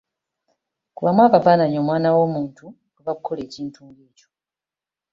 Kubamu akafaananyi omwana w'omuntu bwe bakukola ekintu ng'ekyo !